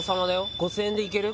５０００円でいける？